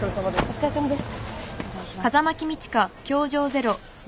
お疲れさまです。